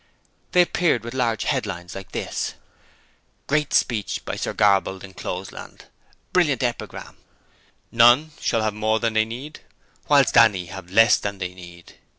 They appeared with large headlines like this: GREAT SPEECH BY SIR GRABALL D'ENCLOSELAND Brilliant Epigram! None should have more than they need, whilst any have less than they need!